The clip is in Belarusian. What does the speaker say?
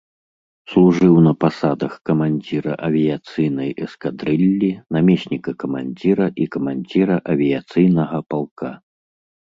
Служыў на пасадах камандзіра авіяцыйнай эскадрыллі, намесніка камандзіра і камандзіра авіяцыйнага палка.